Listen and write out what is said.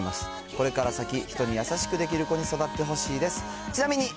これから先、人に優しくできる子に育ってほしいです。